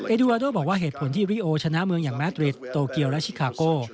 ดูวาโดบอกว่าเหตุผลที่ริโอชนะเมืองอย่างแมดริดโตเกียวและชิคาโก